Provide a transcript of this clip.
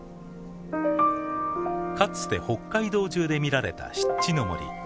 かつて北海道中で見られた湿地の森。